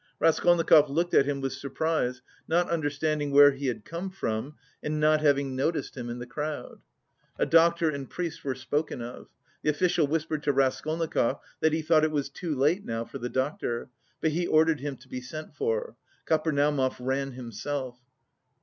Raskolnikov looked at him with surprise, not understanding where he had come from and not having noticed him in the crowd. A doctor and priest wore spoken of. The official whispered to Raskolnikov that he thought it was too late now for the doctor, but he ordered him to be sent for. Kapernaumov ran himself.